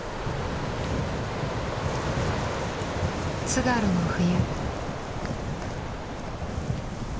津軽の冬。